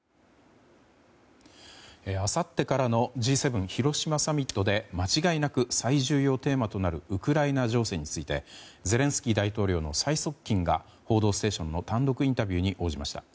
あさってからのＧ７広島サミットで間違いなく最重要テーマとなるウクライナ情勢についてゼレンスキー大統領の最側近が「報道ステーション」の単独インタビューに応じました。